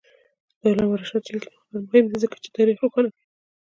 د علامه رشاد لیکنی هنر مهم دی ځکه چې تاریخ روښانه کوي.